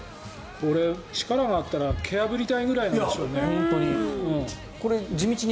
これ、力があったら蹴破りたいぐらいなんでしょうね。